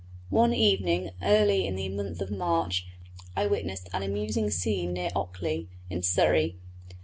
One evening early in the month of March I witnessed an amusing scene near Ockley, in Surrey.